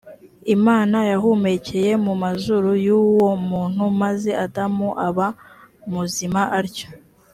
imana yahumekeye mu mazuru y ‘uwo muntu maze adamu aba muzima atyo